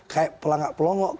kayak pelangak pelongok itu